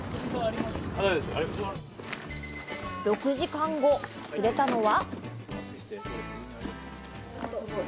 ６時間後、釣れたのは。